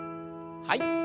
はい。